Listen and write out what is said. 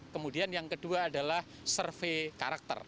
kemudian yang kedua adalah survei karakter